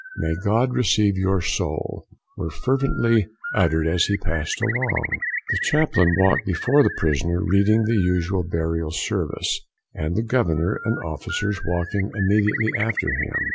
"May God receive your soul!" were frequently uttered as he passed along. The chaplain walked before the prisoner, reading the usual Burial Service, and the Governor and Officers walking immediately after him.